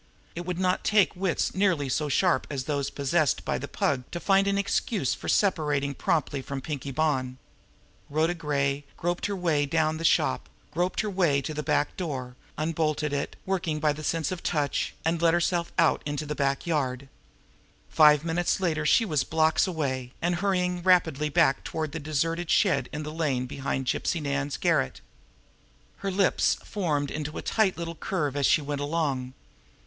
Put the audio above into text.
It would not take wits nearly so sharp as those possessed by the Pug to find an excuse for separating promptly from Pinkie Bonn! Rhoda Gray groped her way down the shop, groped her way to a back door, unbolted it, working by the sense of touch, and let herself out into a back yard. Five minutes later she was blocks away, and hurrying rapidly back toward the deserted shed in the lane behind Gypsy Nan's garret. Her lips formed into a tight little curve as she went along.